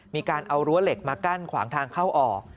มีการเอารั้วเหล็กมากั้นขวางทางเข้าออก